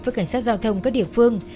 với cảnh sát giao thông các địa phương